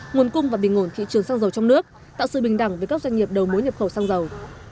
nguồn cung và bình ngồn thị trường xăng dầu trong nước tạo sự bình đẳng với các doanh nghiệp đầu mối nhập khẩu xăng dầu